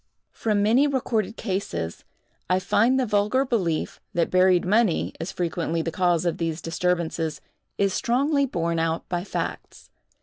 From many recorded cases, I find the vulgar belief, that buried money is frequently the cause of these disturbances, is strongly borne out by facts.